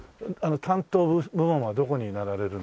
担当部門はどこになられるんですか？